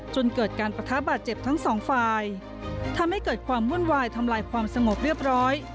จนเกิดการปะทะบาดเจ็บทั้งสองฝ่ายทำให้เกิดความวุ่นวายทำลายความสงบเรียบร้อย